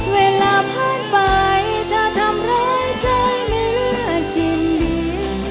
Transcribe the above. เวลาผ่านไปจะทำร้ายใจไม่เหลือชิ้นดี